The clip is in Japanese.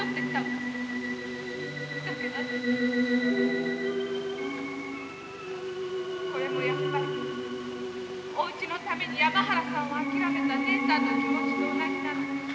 だけど私これもやっぱりおうちのために山原さんを諦めた姉さんの気持ちと同じなのねきっと。